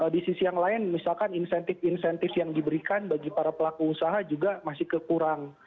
di sisi yang lain misalkan insentif insentif yang diberikan bagi para pelaku usaha juga masih kekurang